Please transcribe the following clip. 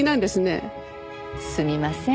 すみません